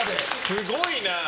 すごいな。